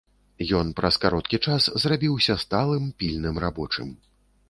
Ён праз кароткі час зрабіўся сталым, пільным рабочым.